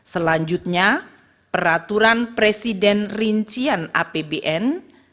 selanjutnya peraturan presiden rincian apbn